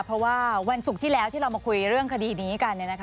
เพราะว่าวันศุกร์ที่แล้วที่เรามาคุยเรื่องคดีนี้กัน